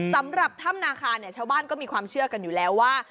สำหรับถ้ำนาคาเนี่ยชาวบ้านก็มีความเชื่อกันอยู่แล้วว่า